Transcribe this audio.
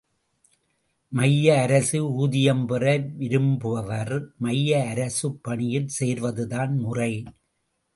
மைய அரசு ஊதியம் பெற விரும்புபவர் மைய அரசுப் பணியில் சேர்வதுதான் முறை.